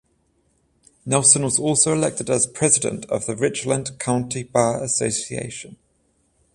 Nelson was also elected as president of the Richland County Bar Association.